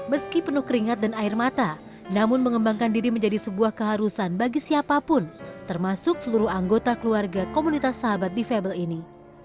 meski penuh keringat dan air mata namun mengembangkan diri menjadi sebuah keharusan bagi siapapun termasuk seluruh anggota keluarga komunitas sahabat difabel ini